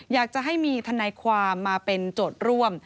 อยากจะให้มีทณความมาเป็นจดร่วม